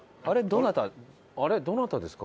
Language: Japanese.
どなたですか？